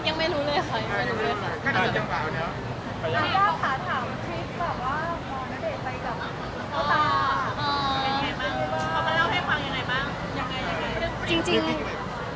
ก็มาเล่าให้ฟังอย่างไรบ้าง